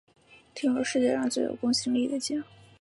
听说是世界上最有公信力的奖